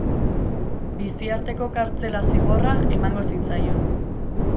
Biziarteko kartzela zigorra emango zitzaion.